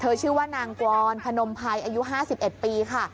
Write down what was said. ชื่อว่านางกรพนมภัยอายุ๕๑ปีค่ะ